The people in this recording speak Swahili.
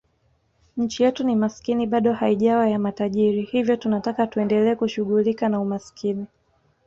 Nchi yetu ni maskini bado haijawa ya matajiri hivyo tunataka tuendelee kushughulika na umaskini